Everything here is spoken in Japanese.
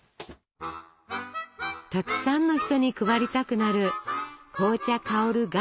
たくさんの人に配りたくなる紅茶香る